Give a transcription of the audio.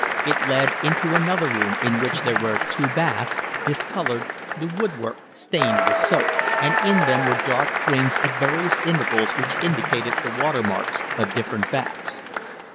It led into another room in which were two baths, discoloured, the woodwork stained with soap; and in them were dark rings at various intervals which indicated the water marks of different baths.